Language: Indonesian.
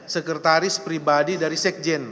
sekretaris pribadi dari sekjen